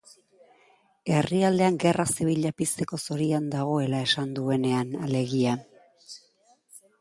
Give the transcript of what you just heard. Herrialdean gerra zibila pizteko zorian dagoela esan duenean, alegia.